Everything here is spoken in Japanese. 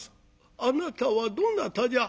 あなたはどなたじゃ？」。